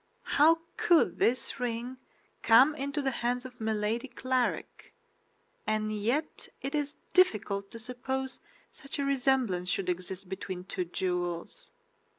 "How could this ring come into the hands of Milady Clarik? And yet it is difficult to suppose such a resemblance should exist between two jewels."